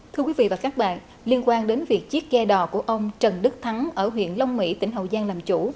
thưa quý vị và các bạn liên quan đến việc chiếc ghe đò của ông trần đức thắng ở huyện long mỹ tỉnh hậu giang làm chủ